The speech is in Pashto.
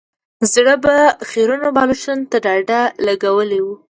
زړو به خيرنو بالښتونو ته ډډې لګولې وې.